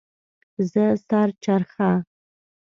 زه سر چرخه